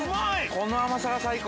◆この甘さが最高。